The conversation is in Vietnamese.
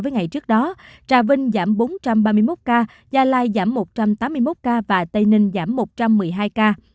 với ngày trước đó trà vinh giảm bốn trăm ba mươi một ca gia lai giảm một trăm tám mươi một ca và tây ninh giảm một trăm một mươi hai ca